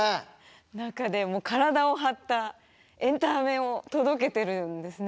中で体を張ったエンタメを届けてるんですね。